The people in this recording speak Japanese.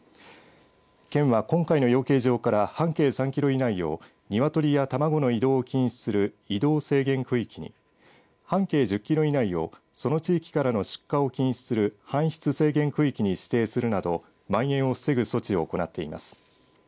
県は今回の養鶏場から半径３キロ以内を鶏や卵の移動を禁止する移動制限区域に半径１０キロ以内をその地域からの出荷を禁止する搬出制限区域に指定するなどまん延を防ぐ措置を行っています。